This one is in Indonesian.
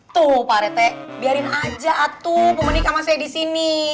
tuh pak rete biarin aja atu bu benik sama saya disini